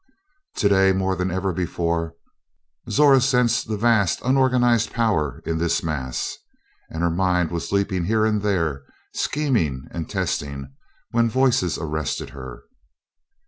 Today, more than ever before, Zora sensed the vast unorganized power in this mass, and her mind was leaping here and there, scheming and testing, when voices arrested her.